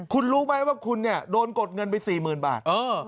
คุณรู้ไหมว่าคุณเนี่ยโดนกดเงินไป๔๐๐๐บาท